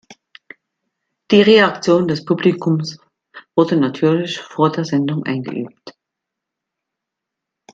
Die Reaktion des Publikums wurde natürlich vor der Sendung eingeübt.